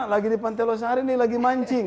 lagi di pantai losari ini lagi mancing